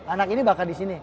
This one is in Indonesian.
anak ini bakal di sini